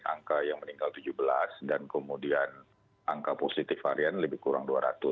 angka yang meninggal tujuh belas dan kemudian angka positif varian lebih kurang dua ratus